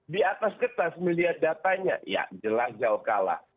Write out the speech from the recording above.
di atas kertas melihat datanya ya jelajah kalah